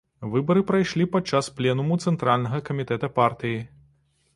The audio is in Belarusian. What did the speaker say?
Выбары прайшлі падчас пленуму цэнтральнага камітэта партыі.